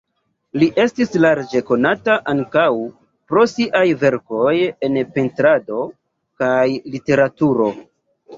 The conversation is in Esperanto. Li estis larĝe konata ankaŭ pro siaj verkoj en pentrado kaj literaturo.